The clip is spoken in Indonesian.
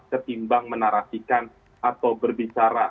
ketimbang menarasikan atau berbicara